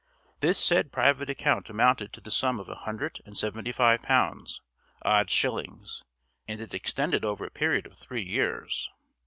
This said private account amounted to the sum of a hundred and seventy five pounds, odd shillings, and it extended over a period of three years.